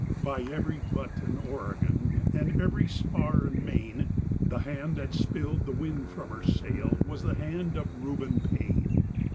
By every butt in Oregon and every spar in Maine, The hand that spilled the wind from her sail was the hand of Reuben Paine!